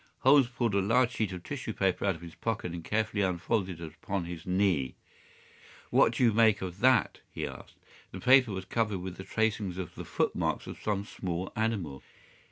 Holmes pulled a large sheet of tissue paper out of his pocket and carefully unfolded it upon his knee. "What do you make of that?" he asked. The paper was covered with the tracings of the footmarks of some small animal.